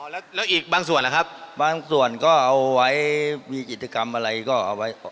แล้วอีกบางส่วนล่ะครับบางส่วนก็เอาไว้มีกิจกรรมอะไรก็เอาไว้